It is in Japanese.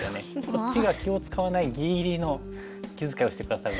こっちが気を遣わないぎりぎりの気遣いをして下さるので。